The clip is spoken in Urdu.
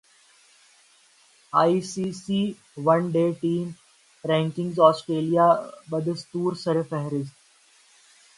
ائی C C one day team رینکنگاسٹریلیا بدستورسرفہرست